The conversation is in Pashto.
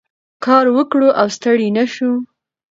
کار وکړو او ستړي نه شو.